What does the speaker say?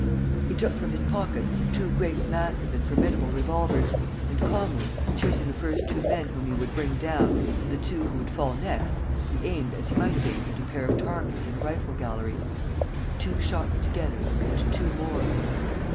He took from his pockets two great massive and formidable revolvers and, calmly, choosing the first two men whom he would bring down and the two who would fall next, he aimed as he might have aimed at a pair of targets in a rifle gallery. Two shots together and two more.